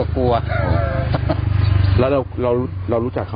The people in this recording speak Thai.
ไฟสูง๙๗